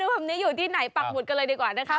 มีอาทิบดีที่ไหนปรบกันเลยดีกว่านะคะ